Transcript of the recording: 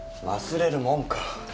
忘れるもんか。